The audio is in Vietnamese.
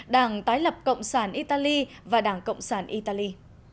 đảng tái lập cộng sản italy và đảng cộng sản italy